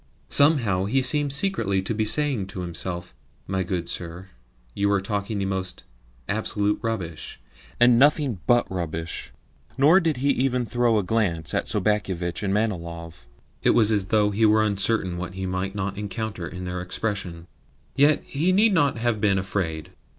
Somehow he seemed secretly to be saying to himself, "My good sir, you are talking the most absolute rubbish, and nothing but rubbish." Nor did he even throw a glance at Sobakevitch and Manilov. It was as though he were uncertain what he might not encounter in their expression. Yet he need not have been afraid.